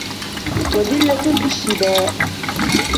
وَذِلَّةِ الِاجْتِدَاءِ